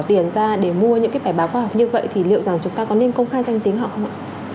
tiền ra để mua những cái bài báo khoa học như vậy thì liệu rằng chúng ta có nên công khai danh tính họ không ạ